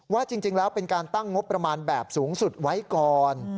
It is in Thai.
ว่าจริงแล้วเป็นการตั้งงบประมาณแบบสูงสุดไว้ก่อน